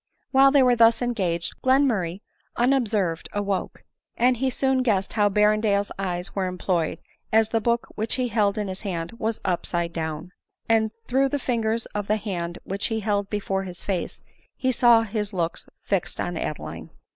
While they were thus engaged, Glenmurray, unobserv ed, awoke ; and he soon guessed how Berrendale's eyes were employed, as the book which he held in his hand was upside down ; and through the fingers of the hand which he held before his face, he saw his looks fixed on Adeline.